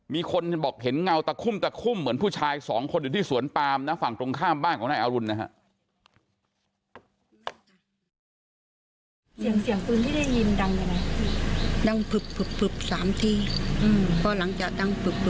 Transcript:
มีคนบอกเห็นเงาตะคุ่มตะคุ่มเหมือนผู้ชายสองคนอยู่ที่สวนปามนะฝั่งตรงข้ามบ้านของนายอรุณนะฮะ